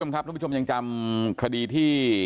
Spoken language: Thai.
คุณผู้ชมครับทุกผู้ชมยังจำคดีที่